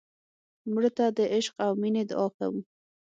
مړه ته د عشق او مینې دعا کوو